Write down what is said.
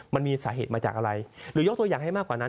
มันมีสาเหตุมาจากอะไรหรือยกตัวอย่างให้มากกว่านั้น